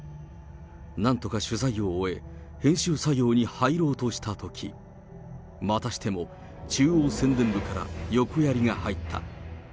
なんとか取材を終え、編集作業に入ろうとしたとき、またしても、中央宣伝部から横やりが入った。